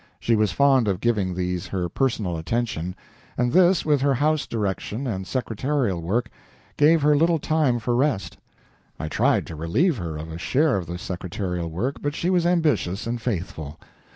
She was fond of giving these her personal attention, and this, with her house direction and secretarial work, gave her little time for rest. I tried to relieve her of a share of the secretarial work, but she was ambitious and faithful.